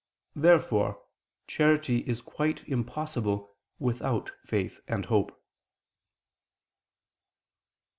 Therefore charity is quite impossible without faith and hope.